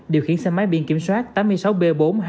điều khiến xe máy biên kiểm soát tám mươi sáu b